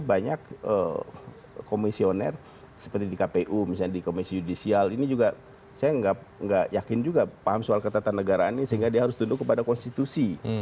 banyak komisioner seperti di kpu misalnya di komisi yudisial ini juga saya nggak yakin juga paham soal ketatanegaraan ini sehingga dia harus tunduk kepada konstitusi